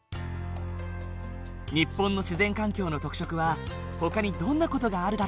日本の自然環境の特色はほかにどんな事があるだろう？